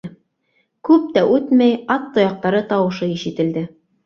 Күп тә үтмәй, ат тояҡтары тауышы ишетелде...